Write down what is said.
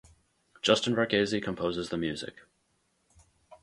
Justin Varghese composes the music.